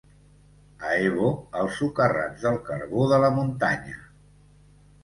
A Ebo, els socarrats del carbó de la muntanya.